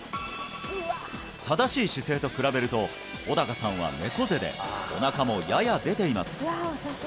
正しい姿勢と比べると小高さんは猫背でおなかもやや出ています